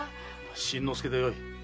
新之助でよい。